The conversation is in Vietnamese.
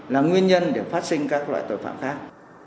là nguyên nhân để phát sinh các loại tội phạm khác